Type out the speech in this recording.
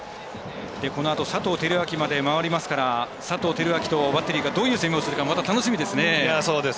このあと佐藤輝明まで回りますから佐藤輝明にバッテリーがどういう攻めをするのかまた楽しみですかね。